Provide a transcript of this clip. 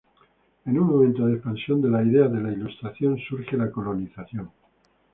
En un momento de expansión de las ideas de las ilustración surge la colonización.